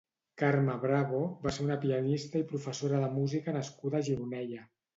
Carme Bravo va ser una pianista i professora de música nascuda a Gironella.